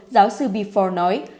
giáo sư beffo nói